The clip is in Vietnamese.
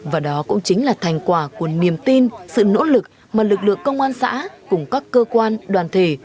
và đó cũng chính là thành quả của niềm tin sự nỗ lực mà lực lượng công an xã cùng các cơ quan đoàn thể